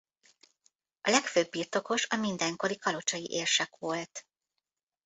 A legfőbb birtokos a mindenkori kalocsai érsek volt.